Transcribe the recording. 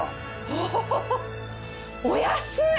おっお安い！